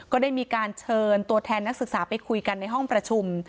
ก็ได้มีการเชิญตัวแทนนักศึกษาไปคุยกันในห้องประชุม